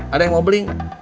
ada yang mau beli